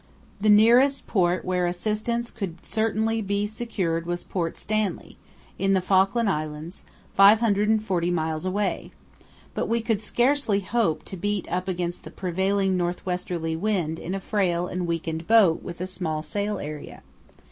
The nearest port where assistance could certainly be secured was Port Stanley, in the Falkland Islands, 540 miles away, but we could scarcely hope to beat up against the prevailing north westerly wind in a frail and weakened boat with a small sail area.